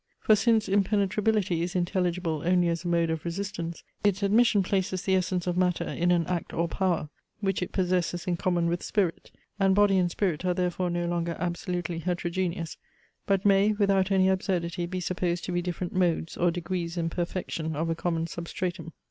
For since impenetrability is intelligible only as a mode of resistance; its admission places the essence of matter in an act or power, which it possesses in common with spirit; and body and spirit are therefore no longer absolutely heterogeneous, but may without any absurdity be supposed to be different modes, or degrees in perfection, of a common substratum.